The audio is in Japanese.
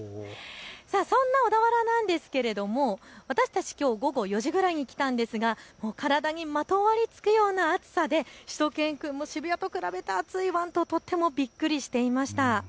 そんな小田原なんですが私たちきょう午後４時くらいに来たんですが、体にまとわりつくような暑さでしゅと犬くんも渋谷と比べて暑いワンとびっくりしていました。